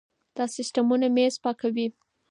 دا سیستمونه مېز پاکوي.